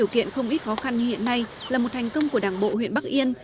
điều kiện không ít khó khăn như hiện nay là một thành công của đảng bộ huyện bắc yên